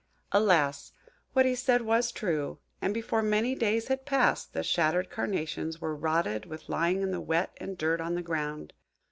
Alas! what he said was true; and before many days had passed, the shattered Carnations were rotted with lying in the wet and dirt on the ground.